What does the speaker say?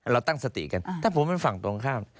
เราตั้งสติกันถ้าผมเป็นฝั่งตรงข้าม